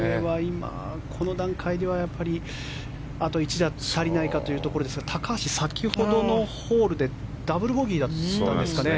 この段階では、あと一打足りないかというところですが高橋、先ほどのホールでダブルボギーだったんですかね。